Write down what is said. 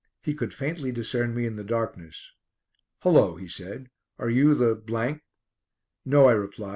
He could faintly discern me in the darkness. "Hullo," he said. "Are you the ?" "No," I replied.